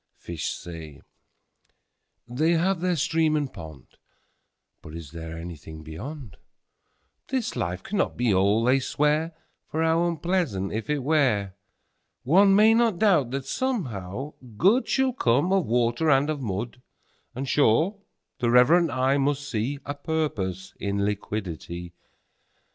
5Fish say, they have their Stream and Pond;6But is there anything Beyond?7This life cannot be All, they swear,8For how unpleasant, if it were!9One may not doubt that, somehow, Good10Shall come of Water and of Mud;11And, sure, the reverent eye must see12A Purpose in Liquidity.